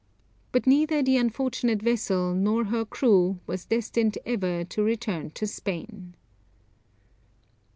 But neither the unfortunate vessel nor her crew was destined ever to return to Spain.